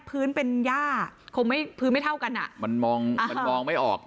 พื้นเป็นย่าคงไม่พื้นไม่เท่ากันอ่ะมันมองมันมองไม่ออก